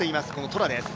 トラです。